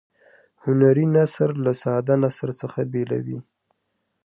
هنري نثر له ساده نثر څخه بیلوي.